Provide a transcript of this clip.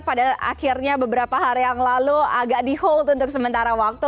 pada akhirnya beberapa hari yang lalu agak di hold untuk sementara waktu